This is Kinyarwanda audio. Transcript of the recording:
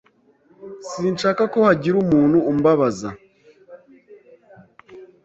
Sinshaka ko hagira umuntu umbabaza.